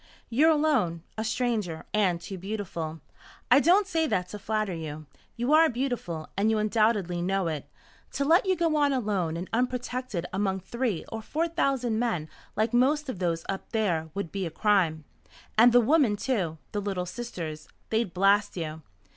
You're alone, a stranger, and too beautiful. I don't say that to flatter you. You are beautiful, and you undoubtedly know it. To let you go on alone and unprotected among three or four thousand men like most of those up there would be a crime. And the women, too the Little Sisters. They'd blast you.